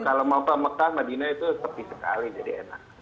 kalau mau ke mekah madinah itu sepi sekali jadi enak